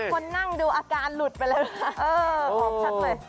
คนนั่งดูอาการหลุดไปแล้วล่ะอือพร้อมชัดหน่อย